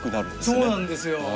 そうなんですよ。